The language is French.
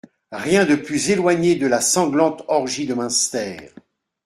Rien de plus éloigné de la sanglante orgie de Munster.